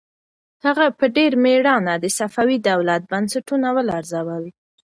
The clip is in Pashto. هغه په ډېر مېړانه د صفوي دولت بنسټونه ولړزول.